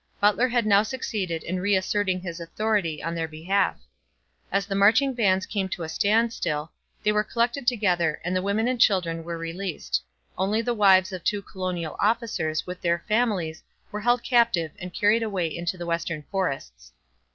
Butler had now succeeded in reasserting his authority on their behalf. As the marching bands came to a standstill, they were collected together and the women and children were released. Only the wives of two colonial officers with their families were held captive and carried away into the western forests.